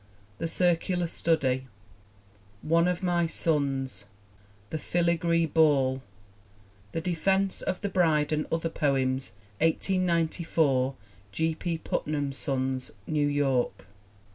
The Circular Study. One of My Sons. The Filigree Ball. The Defense of the Bride and Other Poems, 1894. G. P. Putnam's Sons, New York.